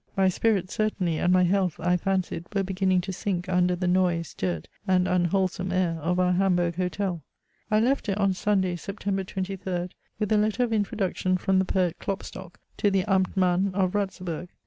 My spirits certainly, and my health I fancied, were beginning to sink under the noise, dirt, and unwholesome air of our Hamburg hotel. I left it on Sunday, Sept. 23rd, with a letter of introduction from the poet Klopstock, to the Amtmann of Ratzeburg.